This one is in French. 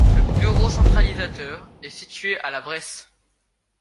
Le bureau centralisateur est situé à La Bresse.